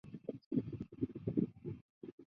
银刀军是唐朝节度使王智兴所建立的亲军。